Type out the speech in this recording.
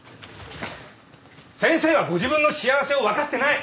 先生はご自分の幸せを分かってない！